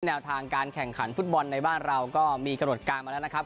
แนวทางการแข่งขันฟุตบอลในบ้านเราก็มีกำหนดการมาแล้วนะครับ